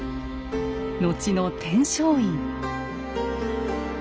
後の天璋院。